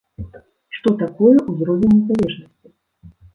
Што такое ўзровень незалежнасці?